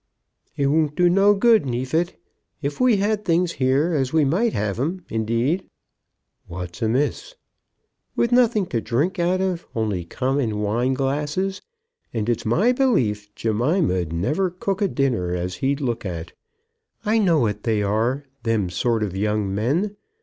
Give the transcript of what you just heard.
"It won't do no good, Neefit. If we had things here as we might have 'em, indeed !" "What's amiss?" "With nothing to drink out of, only common wine glasses; and it's my belief Jemima 'd never cook a dinner as he'd look at. I know what they are, them sort of young men.